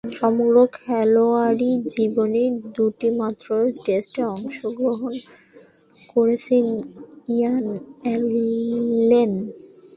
সমগ্র খেলোয়াড়ী জীবনে দুইটিমাত্র টেস্টে অংশগ্রহণ করেছেন ইয়ান অ্যালেন।